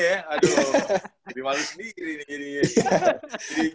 aduh lebih malu sendiri nih